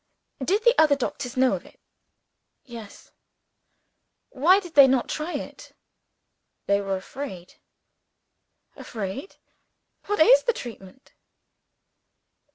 "Did the other doctors know of it?" "Yes." "Why did they not try it?" "They were afraid." "Afraid? What is the treatment?"